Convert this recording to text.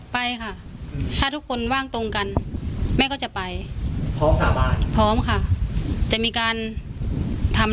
ไปค่ะถ้าทุกคนว่างตรงกันแม่ก็จะไปพร้อมสาบานพร้อมค่ะจะมีการทำ